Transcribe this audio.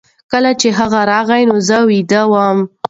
کله چې هغه راغی نو زه ویده وم.